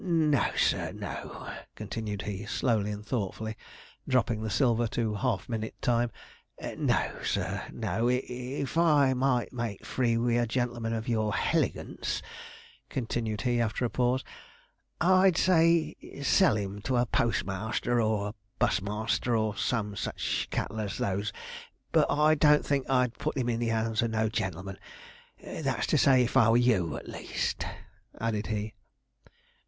No, sir, no,' continued he, slowly and thoughtfully, dropping the silver to half minute time; 'no, sir, no; if I might make free with a gen'leman o' your helegance,' continued he, after a pause,' I'd say, sell 'im to a post master or a buss master, or some sich cattle as those, but I doesn't think I'd put 'im into the 'ands of no gen'leman, that's to say if I were you, at least,' added he.